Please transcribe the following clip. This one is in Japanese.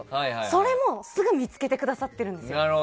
それもすぐに見つけてくださってるんですよ。